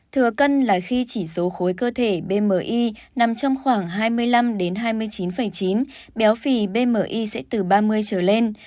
thừa cân là khi chỉ số khối cơ thể bmi nằm trong khoảng hai mươi năm hai mươi chín chín béo phì bmi sẽ từ ba mươi trở lên